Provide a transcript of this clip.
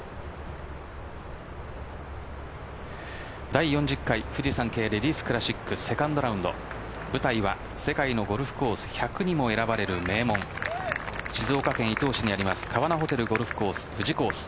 第４０回フジサンケイレディスクラシックセカンドラウンド舞台は世界のゴルフコース１００にも選ばれる名門静岡県伊東市にあります川奈ホテルゴルフコース富士コース。